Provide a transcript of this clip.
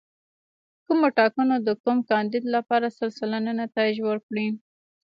کومو ټاکنو د کوم کاندید لپاره سل سلنه نتایج ورکړي.